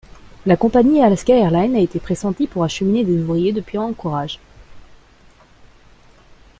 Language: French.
La compagnie Alaska Airlines a été pressentie pour acheminer des ouvriers depuis Anchorage.